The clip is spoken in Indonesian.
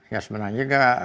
ya sebenarnya gak